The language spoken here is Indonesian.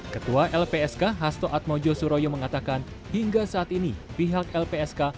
ketua lpsk hasto atmojo suroyo mengatakan hingga saat ini pihak lpsk